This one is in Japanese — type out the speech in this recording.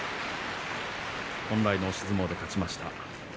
本来の押し相撲で勝ちました。